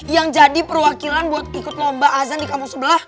yang jadi perwakilan buat ikut lomba azan di kampung sebelah